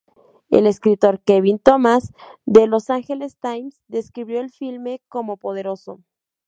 El escritor Kevin Thomas de "Los Angeles Times" describió el filme como "poderoso".